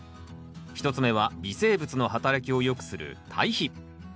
１つ目は微生物の働きをよくする堆肥。